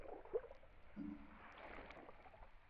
hii ilikuwa ya spishi moja Angelim vermelho Dinizia Exelsa